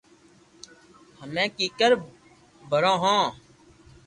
ھمو ڪيڪير ڀيرو ھووُ